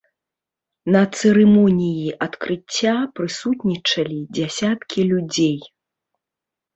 На цырымоніі адкрыцця прысутнічалі дзясяткі людзей.